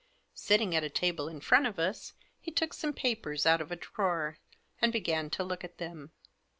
Sitting at a table in front of us, he took some papers out of a drawer, and began to look at them.